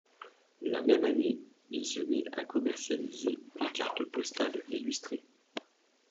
La même année, il se met à commercialiser des cartes postales illustrées.